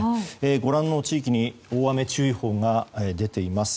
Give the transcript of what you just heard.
ご覧の地域に大雨注意報が出ています。